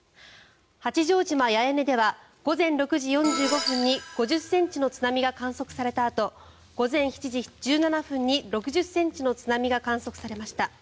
八丈島・八重根では午前６時４５分に５０ｃｍの津波が観測されたあと午前７時１７分に６０ｃｍの津波が確認されました。